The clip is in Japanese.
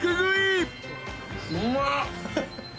うまっ。